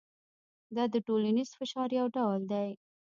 دا د ټولنیز فشار یو ډول دی.